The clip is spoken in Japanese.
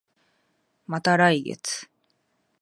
また来月